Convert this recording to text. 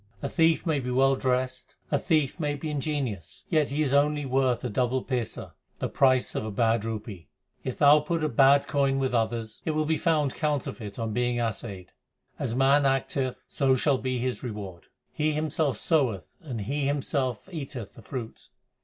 A thief may be well dressed, a thief may be ingenious, Yet he is only worth a double paisa, the price of a bad rupee. If thou put a bad coin with others, It will be found counterfeit on being assayed. As man acteth, so shall be his reward : He himself soweth and he himself eateth the fruit.